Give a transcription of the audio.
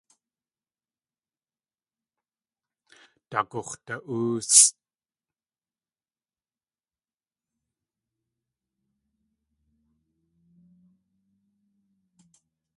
Daagux̲da.óosʼ.